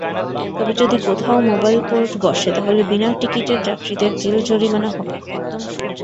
তবে যদি কোথাও মোবাইল কোর্ট বসে, তাহলে বিনা টিকিটের যাত্রীদের জেল-জরিমানা হবে।